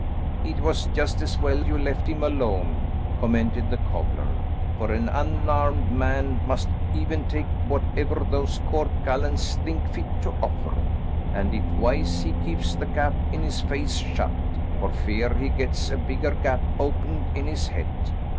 "It was just as well you left him alone," commented the cobbler, "for an unarmed man must even take whatever those court gallants think fit to offer, and if wise, he keeps the gap in his face shut, for fear he gets a bigger gap opened in his head.